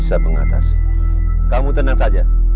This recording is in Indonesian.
apa jadi nanti